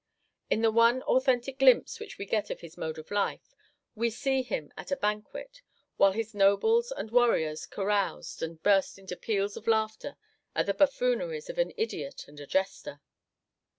In the one authentic glimpse which we get of his mode of life, we see him at a banquet, while his nobles and warriors caroused and burst into peals of laughter at the buffooneries of an idiot and a jester.